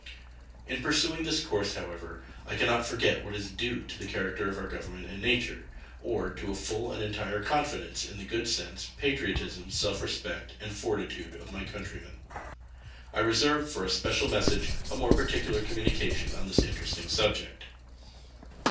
In pursuing this course, however, I can not forget what is due to the character of our Government and nation, or to a full and entire confidence in the good sense, patriotism, self respect, and fortitude of my country men. I reserve for a special message a more particular communication on this interesting subject.